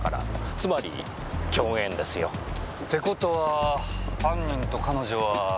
つまり狂言ですよ。って事は犯人と彼女はグル！